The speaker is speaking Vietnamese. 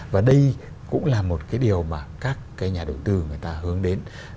và đây cũng là một cái điều mà các cái nhà đầu tư người ta hướng đến